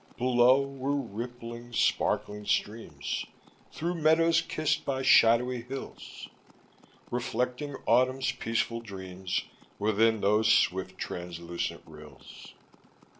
Below were rippling, sparkling streams Through meadows kissed by shadowy hills, Reflecting autumn's peaceful dreams Within those swift, translucent rills.